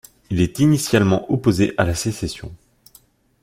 Il est initialement opposé à la sécession.